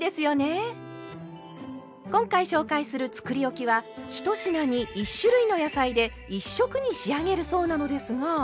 今回紹介するつくりおきは１品に１種類の野菜で１色に仕上げるそうなのですが。